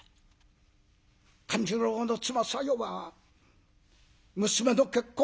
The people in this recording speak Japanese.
勘十郎の妻さよは娘の結婚